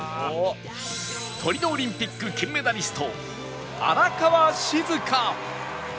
トリノオリンピック金メダリスト荒川静香